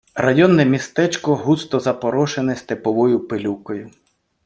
Районне містечко густо запорошене степовою пилюкою.